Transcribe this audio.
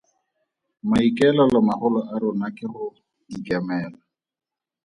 Maikaelelo magolo a rona ke go ikemela.